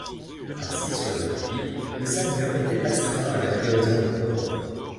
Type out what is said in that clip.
Ainsi, sous la République, le Samnium était astreint à la livraison de porcs.